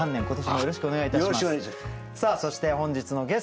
よろしくお願いします。